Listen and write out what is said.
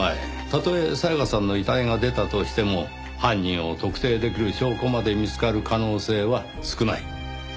たとえ沙耶香さんの遺体が出たとしても犯人を特定できる証拠まで見つかる可能性は少ない。